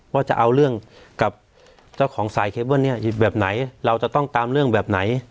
ว่าจะเอาเรื่องกับเจ้าของสายเคปว่าเนี่ยแบบไหนเราจะต้องตามเรื่องแบบไหน